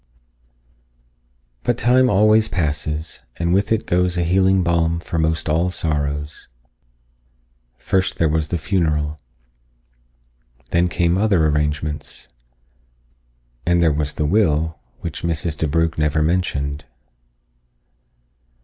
But time always passes, and with it goes a healing balm for most all sorrows. First there was the funeral. Then came other arrangements. And there was the will, which Mrs. DeBrugh never mentioned.